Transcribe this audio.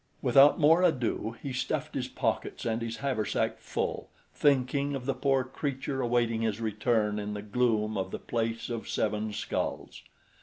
Without more ado he stuffed his pockets and his haversack full, thinking of the poor creature awaiting his return in the gloom of the Place of Seven Skulls.